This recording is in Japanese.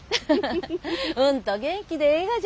うんと元気でええがじゃないが。